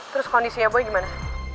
terus kondisinya boy gimana